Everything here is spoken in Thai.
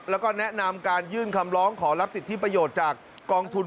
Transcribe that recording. แล้วก็แนะนำการยื่นคำร้องขอรับสิทธิประโยชน์จากกองทุน